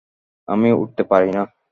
আমি উড়তে পারিনা।